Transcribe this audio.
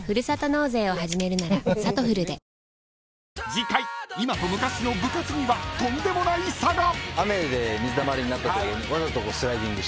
［次回今と昔の部活にはとんでもない差が］